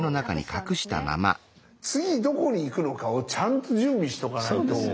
次どこに行くのかをちゃんと準備しとかないと。